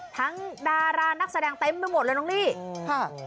ดารานักแสดงเต็มไปหมดเลยน้องลี่ค่ะ